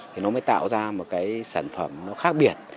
thì nó mới tạo ra một cái sản phẩm nó khác biệt